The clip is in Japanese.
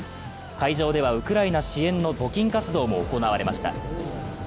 会場ではウクライナ支援の募金活動も行われました。